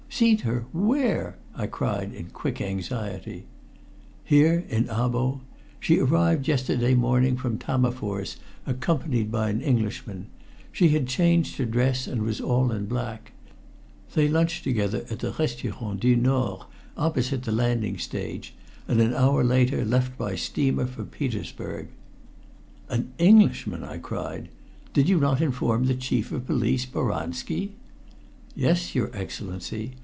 "Seen her! Where?" I cried in quick anxiety. "Here, in Abo. She arrived yesterday morning from Tammerfors accompanied by an Englishman. She had changed her dress, and was all in black. They lunched together at the Restaurant du Nord opposite the landing stage, and an hour later left by steamer for Petersburg." "An Englishman!" I cried. "Did you not inform the Chief of Police, Boranski?" "Yes, your Excellency.